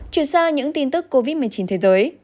chuyển sang những tin tức covid một mươi chín thế giới